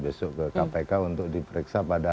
besok ke kpk untuk diperiksa pada